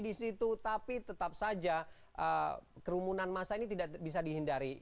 di situ tapi tetap saja kerumunan masa ini tidak bisa dihindari